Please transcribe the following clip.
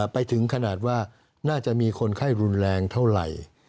ไปถึงขนาดว่าน่าจะมีคนไข้รุนแรงเท่าไหร่